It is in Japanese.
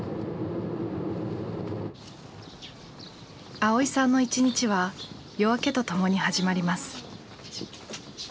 蒼依さんの一日は夜明けとともに始まります。